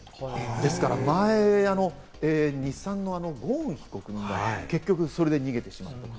ですから、前に日産のゴーン被告がそれで逃げてしまった。